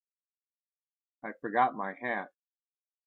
I forgot my hat.